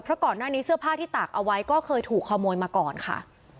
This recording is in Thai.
เพราะก่อนหน้านี้เสื้อผ้าที่ตากเอาไว้ก็เคยถูกขโมยมาก่อนค่ะ